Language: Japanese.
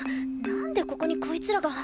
なんでここにこいつらが。